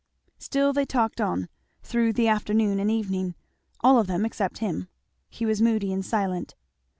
Still they talked on, through the afternoon and evening, all of them except him; he was moody and silent.